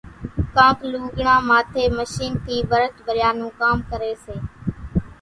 ڪانڪ لوُڳڙان ماٿيَ مشينين ٿِي ڀرت ڀريا نون ڪام ڪريَ سي۔